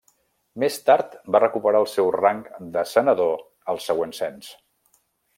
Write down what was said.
Més tard va recuperar el seu rang de senador al següent cens.